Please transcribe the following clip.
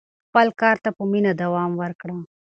خپل کار ته په مینه دوام ورکړه.